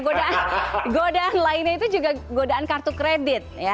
godaan lainnya itu juga godaan kartu kredit ya